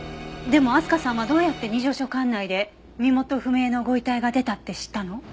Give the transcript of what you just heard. でも明日香さんはどうやって二条署管内で身元不明のご遺体が出たって知ったの？